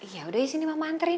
yaudah ya sini mama anterin